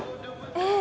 ええ。